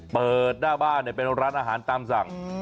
เปิดหน้าบ้านเป็นร้านอาหารตามสั่ง